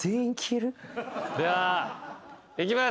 ではいきます。